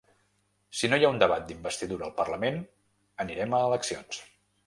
Si no hi ha un debat d’investidura al parlament, anirem a eleccions.